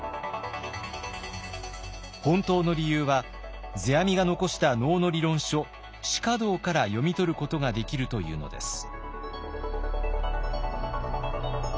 本当の理由は世阿弥が残した能の理論書「至花道」から読み取ることができるというのです。